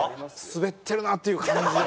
スベってるなっていう感じです。